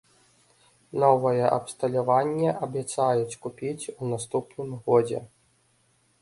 Новае абсталяванне абяцаюць купіць у наступным годзе.